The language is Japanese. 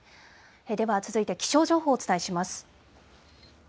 では続いて気象情報をお伝えします。